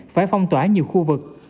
phải phong tỏa nhiều khu vực